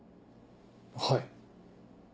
はい。